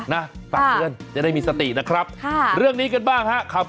นะฝากเตือนจะได้มีสตินะครับค่ะเรื่องนี้กันบ้างครับ